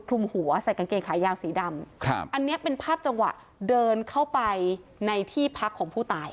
หัวใส่กางเกงขายาวสีดำครับอันนี้เป็นภาพจังหวะเดินเข้าไปในที่พักของผู้ตาย